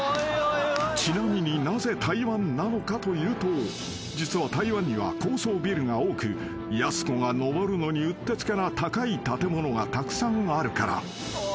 ［ちなみになぜ台湾なのかというと実は台湾には高層ビルが多くやす子が上るのにうってつけな高い建物がたくさんあるから］